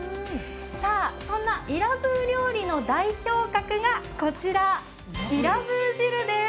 そんなイラブー料理の代表格がこちら、イラブー汁。